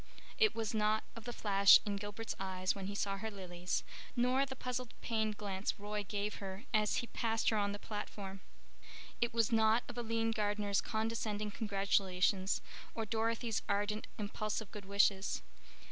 it was not of the flash in Gilbert's eyes when he saw her lilies, nor the puzzled pained glance Roy gave her as he passed her on the platform. It was not of Aline Gardner's condescending congratulations, or Dorothy's ardent, impulsive good wishes.